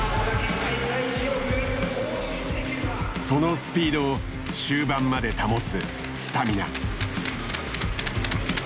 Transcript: そのスピードを終盤まで保つスタミナ。